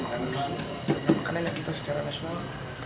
makanan makanan yang kita secara nasional